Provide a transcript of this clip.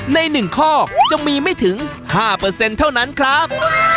ใน๑ข้อจะมีไม่ถึง๕เท่านั้นครับ